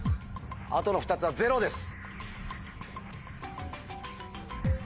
あとの２つはゼロです。